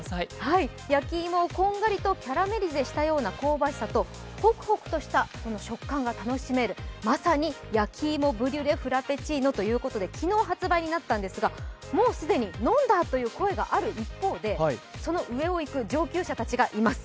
焼き芋をこんがりとキャラメリゼしたような香ばしさとほくほくとした食感が楽しめるまさに焼き芋ブリュレフラペチーノということで昨日発売になったんですがもう既に飲んだという声がある一方でその上をいく上級者たちがいます。